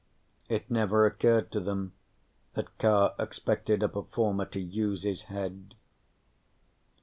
It never occurred to them that Carr expected a performer to use his head.